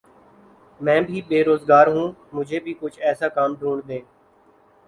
میں بھی بے روزگار ہوں مجھے بھی کچھ ایسا کام ڈھونڈ دیں